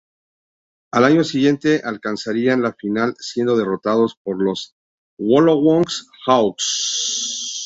Al año siguiente alcanzarían la final, siendo derrotados por los Wollongong Hawks.